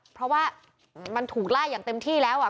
เพราะว่ามันถูกไล่อย่างเต็มที่แล้วอ่ะ